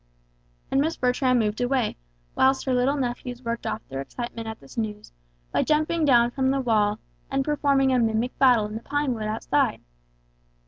And Miss Bertram moved away, whilst her little nephews worked off their excitement at this news, by jumping down from the wall, and performing a mimic battle in the pine wood outside.